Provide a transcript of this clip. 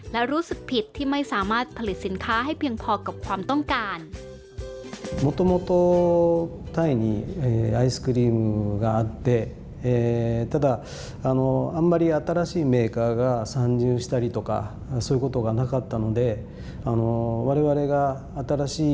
และรู้สึกผิดที่ไม่สามารถผลิตสินค้าให้เพียงพอกับความต้องการ